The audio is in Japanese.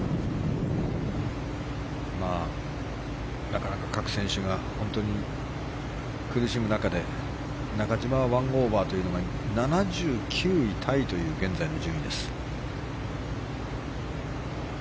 なかなか、各選手が苦しむ中で中島の１オーバーというのは７９位タイという現在の順位です。